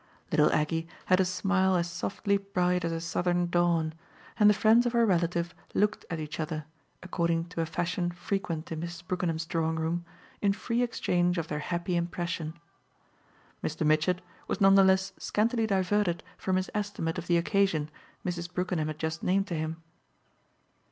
Little Aggie had a smile as softly bright as a Southern dawn, and the friends of her relative looked at each other, according to a fashion frequent in Mrs. Brookenham's drawing room, in free exchange of their happy impression. Mr. Mitchett was none the less scantly diverted from his estimate of the occasion Mrs. Brookenham had just named to him.